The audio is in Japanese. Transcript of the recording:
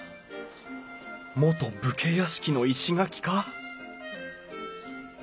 元武家屋敷の石垣か？